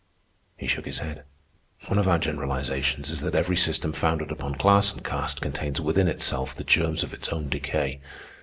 He shook his head. "One of our generalizations is that every system founded upon class and caste contains within itself the germs of its own decay.